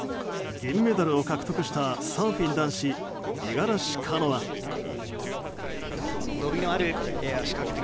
銀メダルを獲得したサーフィン男子、五十嵐カノア。